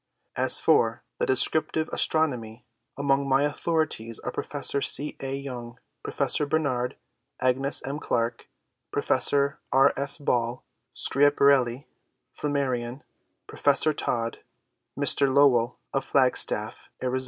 As for the descriptive astronomy, among my authorities are Professor C. A. Young, Professor Barnard, Agnes M. Clerke, Professor R. S. Ball, Schiaparelli, Flammarion, Professor Todd, Mr. Lowell of Flagstaff, Ariz.